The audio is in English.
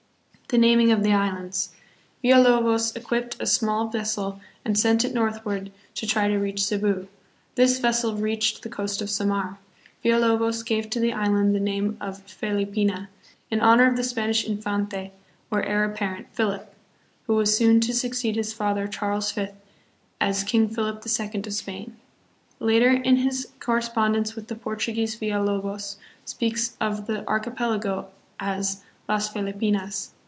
The Naming of the Islands. Villalobos equipped a small vessel and sent it northward to try to reach Cebu. This vessel reached the coast of Samar. Villalobos gave to the island the name of Felipina, in honor of the Spanish Infante, or heir apparent, Philip, who was soon to succeed his father Charles V. as King Philip the Second of Spain. Later in his correspondence with the Portuguese Villalobos speaks of the archipelago as Las Felipinas.